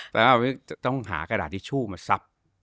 แต่ว่าต้องหากระดาษทิชชู่มาซับ